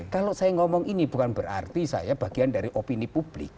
kalau saya ngomong ini bukan berarti saya bagian dari opini publik